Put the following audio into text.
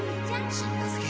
しんのすけ！